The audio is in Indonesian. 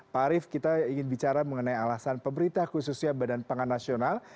pak arief kita ingin bicara mengenai alasan pemerintah khususnya badan pangan nasional